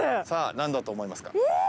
さあ何だと思いますか？